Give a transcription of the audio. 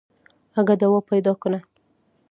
اگه دوا پيدا که.